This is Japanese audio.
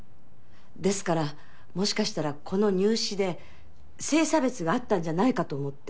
ですからもしかしたらこの入試で性差別があったんじゃないかと思って。